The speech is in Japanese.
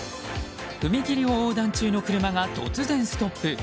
踏切を横断中の車が突然ストップ。